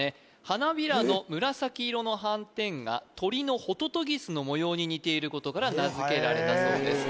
花びらの紫色の斑点が鳥のホトトギスの模様に似ていることから名付けられたそうです